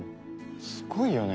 すごいよね。